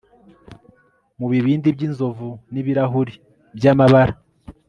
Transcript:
Mubibindi byinzovu nibirahuri byamabara